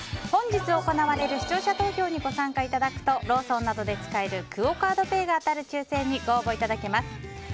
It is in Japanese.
本日行われる視聴者投票にご参加いただくとローソンなどで使えるクオ・カードペイが当たる抽選にご応募いただけます。